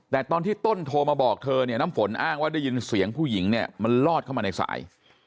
แต่ตอนที่ต้นโทรมาบอกเธอเนี่ยน้ำฝนอ้างว่าได้ยินเสียงผู้หญิงเนี่ยมันลอดเข้ามาในสาย